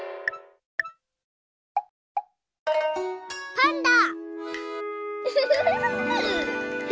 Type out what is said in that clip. パンダ！